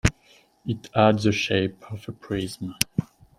It had the shape of a Prism.